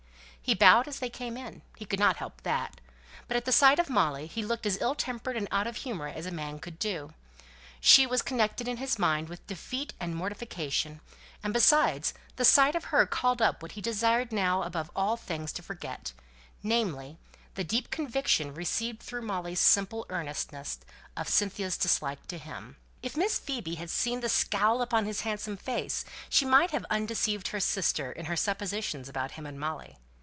He bowed as they came in. He could not help that; but, at the sight of Molly, he looked as ill tempered and out of humour as a man well could do. She was connected in his mind with defeat and mortification; and besides, the sight of her called up what he desired now, above all things, to forget; namely, the deep conviction, received through Molly's simple earnestness, of Cynthia's dislike to him. If Miss Phoebe had seen the scowl upon his handsome face, she might have undeceived her sister in her suppositions about him and Molly.